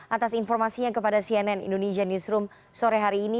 atas informasinya kepada cnn indonesia newsroom sore hari ini